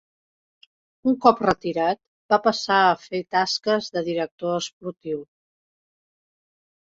Un cop retirat, va passar a fer tasques de director esportiu.